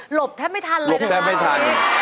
หลบแต่ไม่ทันเลยนะครับ